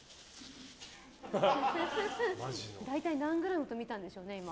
大体何グラムとみたんでしょうね。